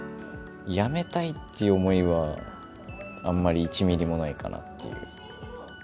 やめたいっていう思いは、あんまり、１ミリもないかなっていう。